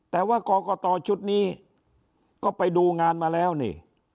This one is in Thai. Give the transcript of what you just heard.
แต่ว่ากรกตชุดนี้ก็ไปดูงานมาแล้วนี่